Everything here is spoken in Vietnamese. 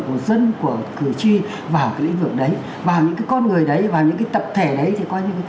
của dân của cử tri vào cái lĩnh vực đấy và những cái con người đấy và những cái tập thể đấy thì coi như cái